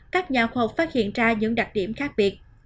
các nhà khoa học phát hiện ra những đặc điểm khác biệt